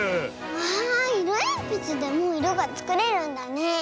わあいろえんぴつでもいろがつくれるんだね。